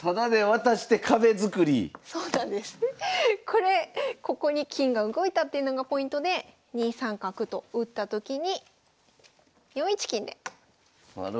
これここに金が動いたっていうのがポイントで２三角と打った時に４一金でなるほど。